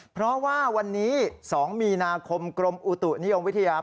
เพราะว่าวันนี้๒มีนาคมกรมอุตุนิยมวิทยา